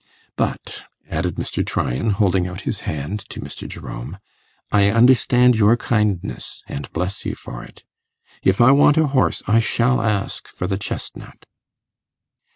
But,' added Mr. Tryan, holding out his hand to Mr. Jerome, 'I understand your kindness, and bless you for it. If I want a horse, I shall ask for the chesnut.